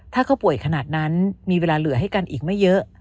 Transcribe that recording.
ถ้าเขาป่วยขนาดนั้นมีเวลาเหลือให้กันอีกไม่เยอะ